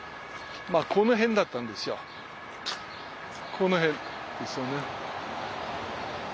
この辺ですよね。